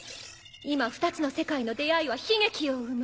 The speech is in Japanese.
今２つの世界の出合いは悲劇を生む。